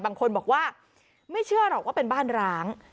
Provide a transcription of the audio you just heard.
บางคนบอกว่าไม่เชื่อหรอกว่าเป็นบ้านร้าง